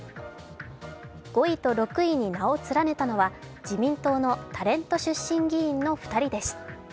５位と６位に名を連ねたのは自民党のタレント出身議員の２人です。